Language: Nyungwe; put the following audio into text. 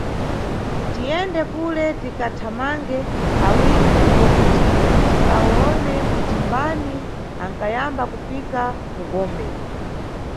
Tiyende kule tikathamange awiri ndipo kuti tikawone kuti mbani anʼkayamba kufika ku gombe.